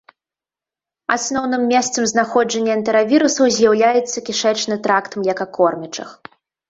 Асноўным месцам знаходжання энтэравірусаў з'яўляецца кішэчны тракт млекакормячых.